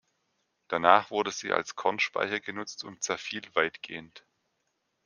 Danach wurde sie als Kornspeicher genutzt und zerfiel weitgehend.